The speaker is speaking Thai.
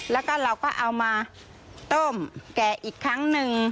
แล้วก็เราก็เอามาต้มแกะอีกครั้งหนึ่ง